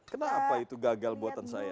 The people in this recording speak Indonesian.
kenapa itu gagal buatan saya